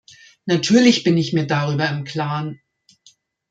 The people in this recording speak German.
Natürlich bin ich mir darüber im klaren.